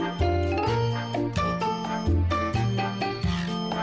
ท่านลองดูตัวไหวนะครับ